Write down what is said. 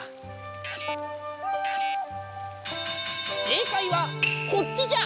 正解はこっちじゃ！